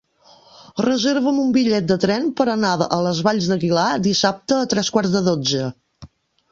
Reserva'm un bitllet de tren per anar a les Valls d'Aguilar dissabte a tres quarts de dotze.